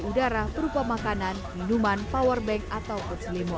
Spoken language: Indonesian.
kursi udara perubah makanan minuman powerbank atau kursi limau